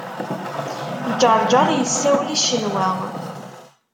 Ǧeṛǧeṛ yessawel i Ccenwa.